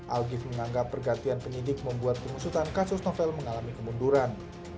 algif menganggap pergantian penyidik membuat pengusutan kasus novel mengalami kemunduran